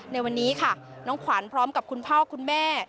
ในวันนี้ค่ะน้องขวัญพร้อมกับคุณพ่อคุณแม่